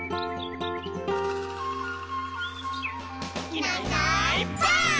「いないいないばあっ！」